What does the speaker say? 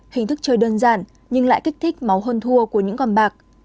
hình thức chơi đơn giản nhưng lại kích thích máu hơn thua của những con bạc